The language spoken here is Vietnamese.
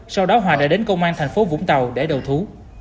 sau đó hòa đã đến công an thành phố vũng tàu để đầu thú